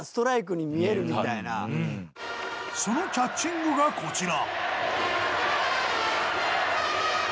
そのキャッチングがこちら。